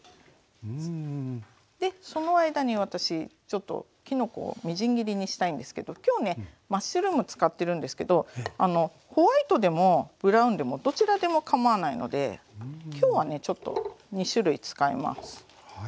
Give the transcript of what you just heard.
でその間に私ちょっときのこをみじん切りにしたいんですけど今日ねマッシュルーム使ってるんですけどホワイトでもブラウンでもどちらでもかまわないので今日はねちょっと２種類使います。